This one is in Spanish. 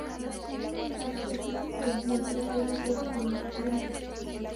La superficie del vientre suele ser color crema.